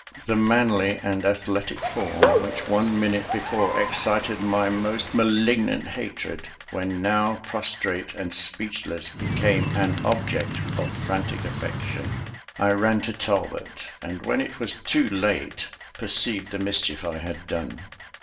The manly and athletic form, which one minute before excited my most malignant hatred, when now prostrate and speechless, became an object of frantic affection. I ran to Talbot, and when it was too late perceived the mischief I had done.